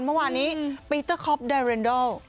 เมื่อวานนี้ปีเตอร์คอล์ฟดาเรนดอล